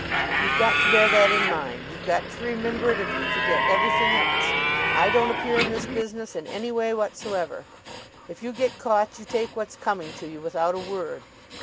"You've got to bear that in mind. You've got to remember it if you forget everything else. I don't appear in this business in any way whatsoever. If you get caught you take what's coming to you without a word.